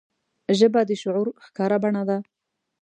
ژبه د شعور ښکاره بڼه ده